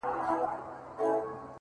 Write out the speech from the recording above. ته له قلف دروازې” یو خروار بار باسه”